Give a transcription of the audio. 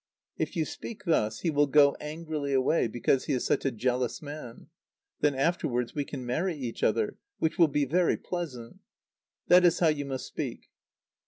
If you speak thus, he will go angrily away, because he is such a jealous man. Then afterwards we can marry each other, which will be very pleasant. That is how you must speak."